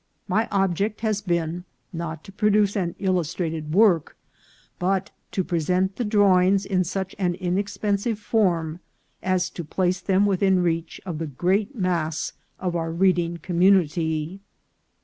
My ob ject has been, not to produce an illustrated work, but to present the drawings in such an inexpensive form as to place them within reach of the great mass of our read ing community.